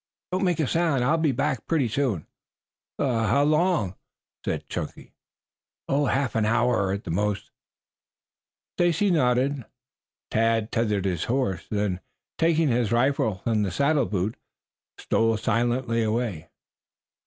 Don't make a sound. I will be back pretty soon." "How long?" "Half an hour at the most." Stacy nodded. Tad tethered his horse, then taking his rifle from the saddle boot stole silently away.